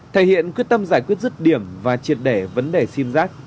thể hiện quyết tâm giải quyết rứt điểm và triệt đẻ vấn đề sim giáp